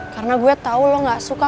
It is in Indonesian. karena gue tau lo gak suka